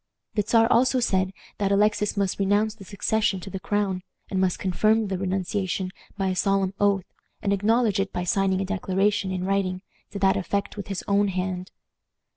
The Czar also said that Alexis must renounce the succession to the crown, and must confirm the renunciation by a solemn oath, and acknowledge it by signing a declaration, in writing, to that effect with his own hand.